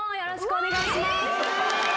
お願いします。